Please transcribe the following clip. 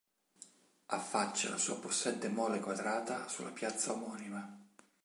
Affaccia la sua possente mole quadrata sulla piazza omonima.